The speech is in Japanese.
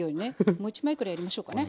もう一枚くらいやりましょうかね。